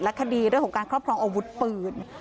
คดีเรื่องของการครอบครองอาวุธปืน